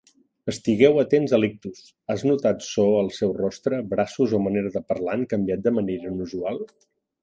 Estigueu atents al ictus... has notat so el seu rostre, braços o manera de parlar han canviat de manera inusual?